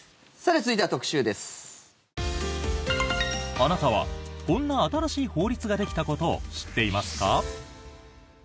あなたは、こんな新しい法律ができたことを知っていますか？